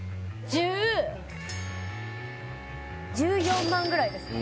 １０１４万ぐらいですかね